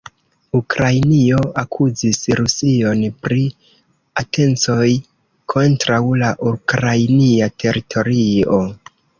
Ukrainio akuzis Rusion pri atencoj kontraŭ la ukrainia teritorio.